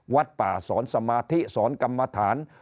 วัดป่าสอนสมาธิสอนกรรมฐาน